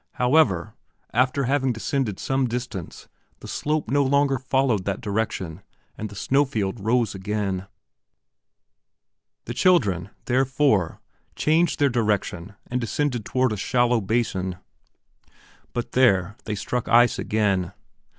However, after having descended some distance, the slope no longer followed that direction and the snowfield rose again. The children, therefore, changed their direction and descended toward a shallow basin. But there they struck ice again.